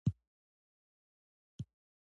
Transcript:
او د ډاکتر بلال خبره څنګه.